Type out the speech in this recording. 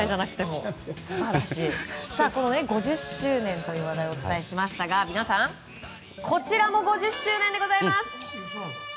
この５０周年という話題をお伝えしましたが皆さん、こちらも５０周年でございます！